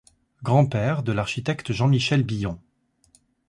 Grand-père de l'architecte Jean-Michel Billon.